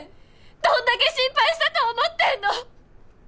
どんだけ心配したと思ってんの！